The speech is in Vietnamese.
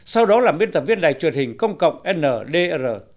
sau đó làm biên tập viên đài truyền hình công cộng ndr